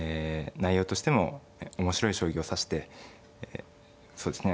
内容としても面白い将棋を指してそうですね